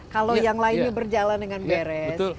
kalau yang lainnya berjalan dengan beres